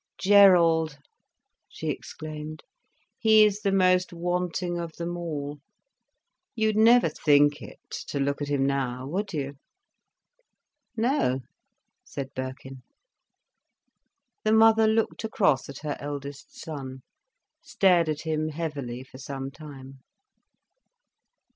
"Gerald!" she exclaimed. "He's the most wanting of them all. You'd never think it, to look at him now, would you?" "No," said Birkin. The mother looked across at her eldest son, stared at him heavily for some time.